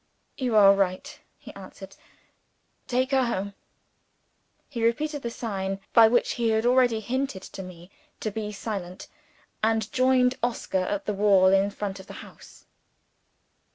"You are right," he answered. "Take her home." He repeated the sign by which he had already hinted to me to be silent and joined Oscar at the wall in front of the house.